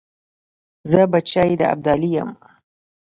زه بچی د ابدالي یم .